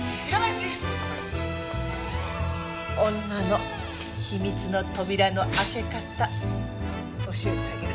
女の秘密の扉の開け方教えてあげる。